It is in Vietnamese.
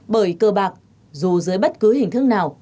bởi cơ bạc dù dưới bất cứ hình thức nào